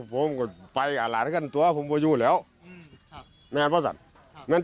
ผมก็ไปตัดอาหารที่ซึ่งตัวไปเลย